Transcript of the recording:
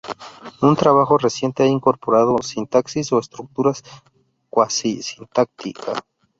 Un trabajo reciente ha incorporado sintaxis o estructuras cuasi-sintáctica.